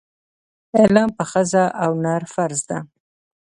علم په ښځه او نر فرض ده.